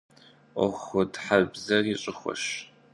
Ӏуэхутхьэбзэри щӀыхуэщ.